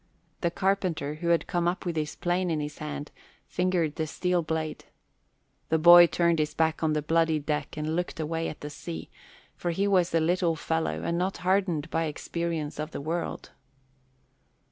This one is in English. The carpenter, who had come up with his plane in his hand, fingered the steel blade. The boy turned his back on the bloody deck and looked away at the sea, for he was a little fellow and not hardened by experience of the world.